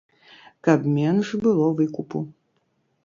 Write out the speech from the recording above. Каб менш было выкупу.